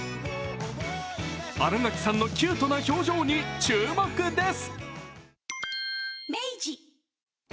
新垣さんのキュートな表情に注目です。